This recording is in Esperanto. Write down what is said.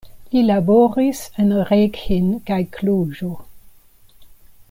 Li laboris en Reghin kaj Kluĵo.